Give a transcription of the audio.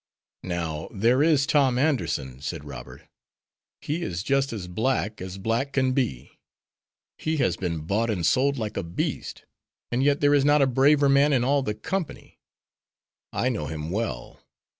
"Now, there is Tom Anderson," said Robert, "he is just as black as black can be. He has been bought and sold like a beast, and yet there is not a braver man in all the company. I know him well.